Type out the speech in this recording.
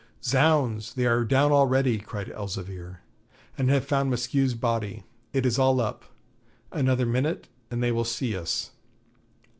'Zounds, they are down already!' cried Elzevir, 'and have found Maskew's body; it is all up; another minute and they will see us.'